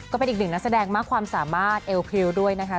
ก็เป็นอีกหนึ่งนักแสดงมากความสามารถเอวพริวด้วยนะคะ